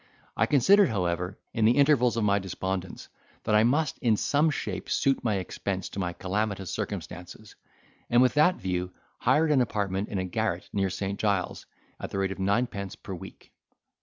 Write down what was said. I considered, however, in the intervals of my despondence, that I must, in some shape suit my expense to my calamitous circumstances, and with that view hired an apartment in a garret near St. Giles's, at the rate of nine pence per week.